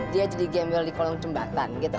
dia jadi gembel di kolong jembatan gitu